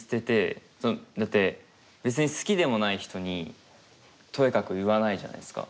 だって別に好きでもない人にとやかく言わないじゃないですか。